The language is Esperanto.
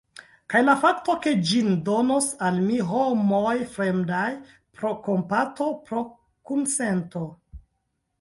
Kaj la fakto, ke ĝin donos al mi homoj fremdaj, pro kompato, pro kunsento?